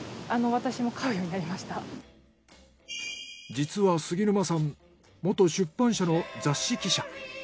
実は杉沼さん元出版社の雑誌記者。